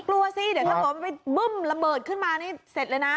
กลัวสิเดี๋ยวถ้าบ้ึ้มระเบิดขึ้นมานี่เสร็จเลยนะ